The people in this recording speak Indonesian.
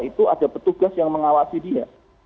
itu ada petugas yang mengawasi dia